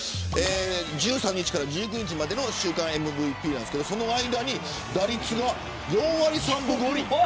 １３日から１９日までの週間ＭＶＰですがその間に打率が４割３分５厘。